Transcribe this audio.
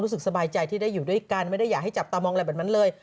รู้สึกสบายใจที่ได้อยู่ด้วยกันไม่ได้อยากให้จับตามองอะไรแบบนั้นเลย